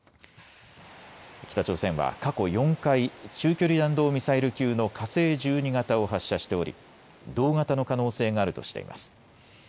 北朝鮮は過去４回、中距離弾道ミサイル級の火星１２型を発射しており、同型の可能性があるとしています。